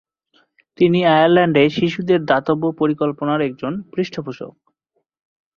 তিনি আয়ারল্যান্ডে শিশুদের দাতব্য পরিকল্পনার একজন পৃষ্ঠপোষক।